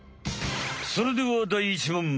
それでは第１問！